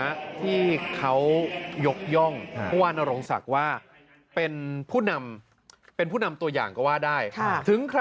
หรือถึงคราวต้องชมก็ต้องชื่นชมอยากให้ดูช่วงนี้ครับ